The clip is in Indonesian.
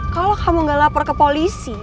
kalau kamu gak lapor ke polisi